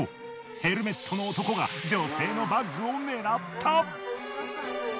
ヘルメットの男が女性のバッグを狙った。